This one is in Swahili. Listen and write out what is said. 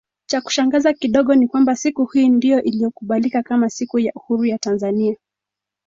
Chakushangaza kidogo ni kwamba siku hii ndio iliyokubalika kama siku ya uhuru ya Tanzania